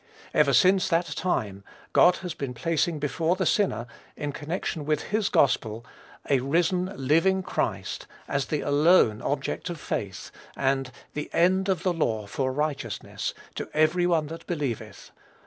Ever since that time, God has been placing before the sinner, in connection with his gospel, a risen living Christ, as the ALONE object of faith, and "the end of the law for righteousness to EVERY ONE THAT BELIEVETH."